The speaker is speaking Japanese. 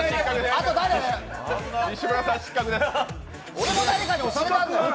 俺も誰かに押されたんだよ。